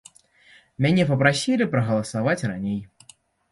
Мяне папрасілі прагаласаваць раней.